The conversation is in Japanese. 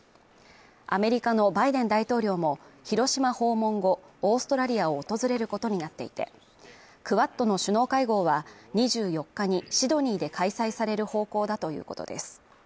アメリカのバイデン大統領も広島訪問後、オーストラリアを訪れることになっていて、クアッドの首脳会合は２４日にシドニーで開催される方向だということです。